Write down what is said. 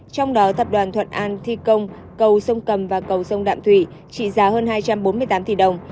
trong đó tập đoàn thuận an thi công cầu sông cầm và cầu sông đạm thủy trị giá hơn hai trăm bốn mươi tám tỷ đồng